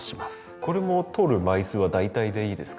これも取る枚数は大体でいいですか？